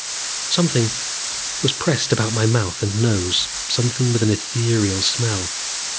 Something was pressed about my mouth and nose, something with an ethereal smell.